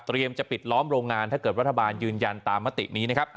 จะปิดล้อมโรงงานถ้าเกิดรัฐบาลยืนยันตามมตินี้นะครับ